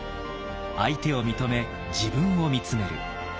「相手を認め自分を見つめる！」